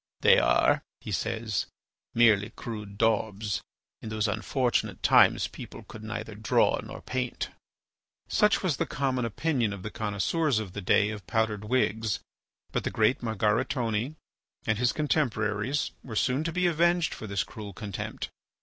"They are," he says, "merely crude daubs. In those unfortunate times people could neither draw nor paint." Such was the common opinion of the connoisseurs of the days of powdered wigs. But the great Margaritone and his contemporaries were soon to be avenged for this cruel contempt.